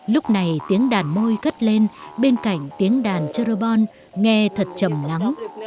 lúc này tiếng đàn môi gất lên bên cạnh tiếng đàn cherubon nghe thật chậm lắm